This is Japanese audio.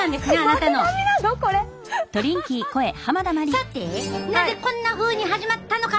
さてなぜこんなふうに始まったのか。